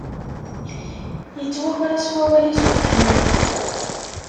Yettwaker-as wawal-is uffir.